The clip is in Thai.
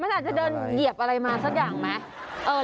มันอาจจะเดินเหยียบอะไรมาสักอย่างไหม